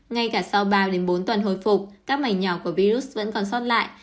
ngay cả sau ba bốn tuần hồi phục các mảnh nhỏ của virus vẫn còn sót lại